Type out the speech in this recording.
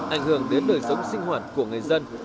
ảnh hưởng đến đời sống sinh hoạt của người dân